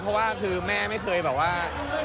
เพราะว่าคือแม่ไม่เคยแบบว่า